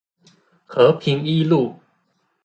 和平一路